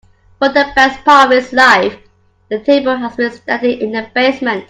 For the best part of its life, the table has been standing in the basement.